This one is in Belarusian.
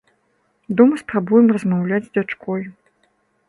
Дома спрабуем размаўляць з дачкой.